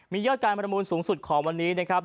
มียอดการประมูลสูงสุดของวันนี้นะครับ